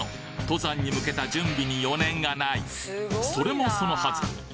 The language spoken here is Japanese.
登山に向けた準備に余念がないそれもそのはず